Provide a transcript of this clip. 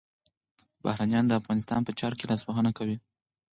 بهرنیان د افغانستان په چارو کي لاسوهنه کوي.